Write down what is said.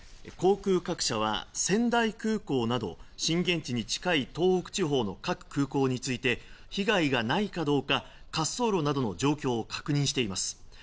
航空各社は仙台空港など震源地に近い東北地方の各空港について被害がないかどうか滑走路などの状況を確認しています。